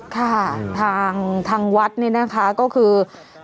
ค่ะทางวัดนี่นะคะก็คือ